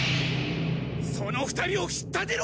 その２人を引っ立てろ！